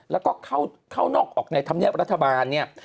แล้วก็เข้านอกออกในธรรมเนียบรัฐบาลเนี่ย